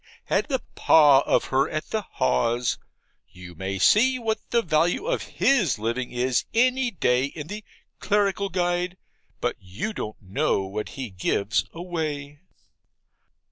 had the PAS of her at the Haws you may see what the value of his living is any day in the 'Clerical Guide;' but you don't know what he gives away.